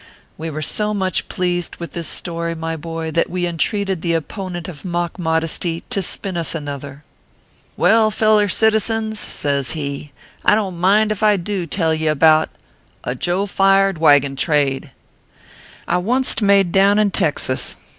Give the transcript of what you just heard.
We were so much pleased with this story, my boy, that we entreated the opponent of mock modesty to spin us another. 234 ORPHEUS C. KERR PAPERS. " Well, feller citizens," says he, " I don t mind if I do tell ye about A JOFIEED WAGON TRADE I onct made down in Texas.